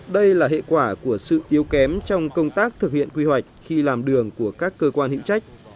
đây là hệ quả của sự yếu kém trong công tác thực hiện quy hoạch khi làm đường của các cơ quan hữu trách